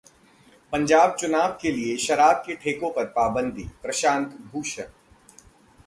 पंजाब चुनाव के लिए शराब के ठेको पर पाबंदी: प्रशांत भूषण